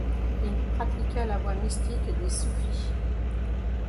Il pratiqua la voie mystique des soufis.